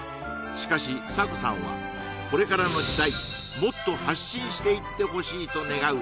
しかしサコさんはこれからの時代もっと発信していってほしいと願う